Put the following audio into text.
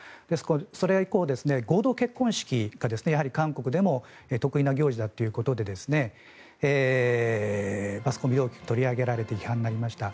それ以降、合同結婚式がやはり韓国でも特異な行事だということでマスコミで大きく取り上げられて批判になりました。